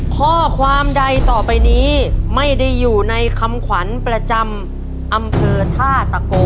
ข้อความใดต่อไปนี้ไม่ได้อยู่ในคำขวานนี้